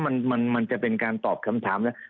มันจะเป็นการตอบคำถามแล้ว